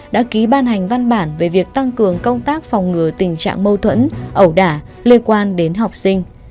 đã ký ban hành văn bản về việc tăng cường công tác phòng ngừa tình trạng mâu thuẫn ẩu đả liên quan đến học sinh